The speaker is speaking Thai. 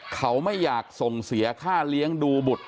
เขาไม่อยากส่งเสียค่าเลี้ยงดูบุตร